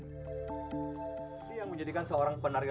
dia yang menjadikan seorang penari lengker